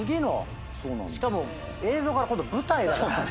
しかも映像から今度舞台だからね。